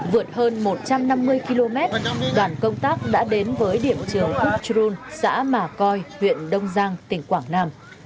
vượt hơn một trăm năm mươi km đoàn công tác đã đến với điểm trường khúc trun xã mà coi huyện đông giang tỉnh quảng nam